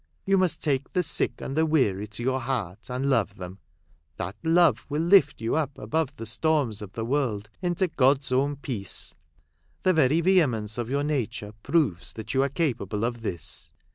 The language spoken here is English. You must take the sick and the weary to your heart and love them. That love will lift you up above the storms of the world into God's own peace. The very ve hemence of your nature proves that you are capable of this.